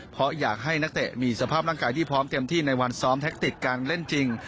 เพราะอยากให้นักเตะมีสภาพร่างกายที่พร้อมเต็มที่ในวันซ้อมแท็กติกการเล่นจริง